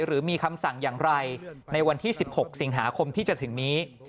หรือมีคำสั่งอย่างไรในวันที่๑๖สิงหาคมที่จะถึงนี้